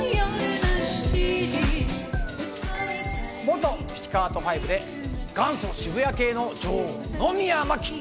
元ピチカート・ファイブで元祖渋谷系の女王・野宮真貴。